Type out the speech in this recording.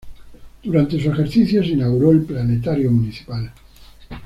Durante su ejercicio se inauguró el Planetario Municipal.